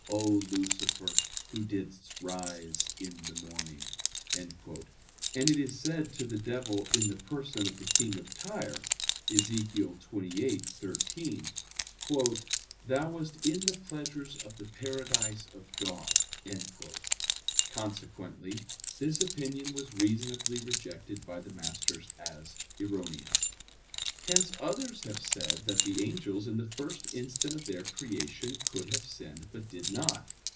. O Lucifer, who didst rise in the morning!" and it is said to the devil in the person of the King of Tyre (Ezech. 28:13): "Thou wast in the pleasures of the paradise of God," consequently, this opinion was reasonably rejected by the masters as erroneous. Hence others have said that the angels, in the first instant of their creation, could have sinned, but did not.